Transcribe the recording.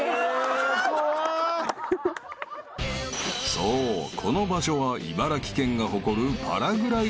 ［そうこの場所は茨城県が誇る］